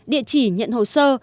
địa chỉ nhận hồ sơ